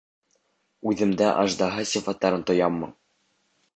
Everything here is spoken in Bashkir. Үҙемдә аждаһа сифаттарын тояммы?